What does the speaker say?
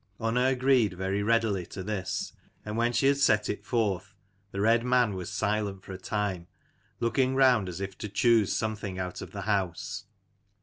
Unna agreed very readily to this : and when she had set it forth, the red man was silent for a time, looking round as if to choose something out of the house.